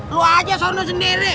lu aja sana sendiri